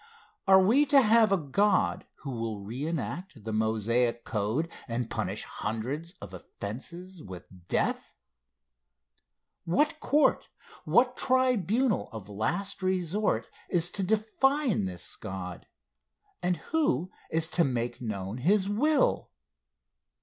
Are we to have a God who will re enact the Mosaic code and punish hundreds of offences with death? What court, what tribunal of last resort, is to define this God, and who is to make known his will?